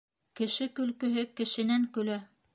Кеше көлкөһө кешенән көлә.